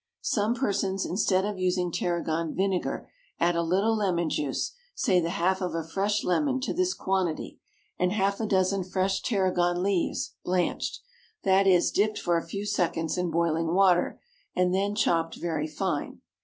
Some persons instead of using tarragon vinegar add a little lemon juice, say the half of a fresh lemon to this quantity, and half a dozen fresh tarragon leaves, blanched that is, dipped for a few seconds in boiling water and then chopped very fine.